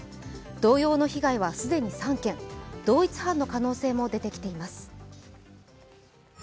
同様の被害は既に３件、同一犯の可能性も出てきています。